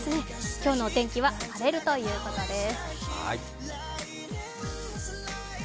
今日のお天気は晴れるということです。